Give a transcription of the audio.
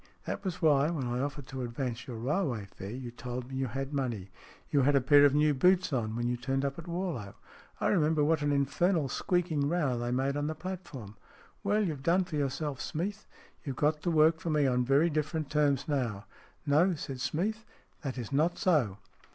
That was why, when I offered to advance your railway fare, you told me you had money. You had a pair of new boots on when you turned up at Warlow. I remember what an infernal squeaking row they made on the platform. Well, you've done for yourself, Smeath. You've got to work for me on very different terms now." " No," said Smeath. " That is not so."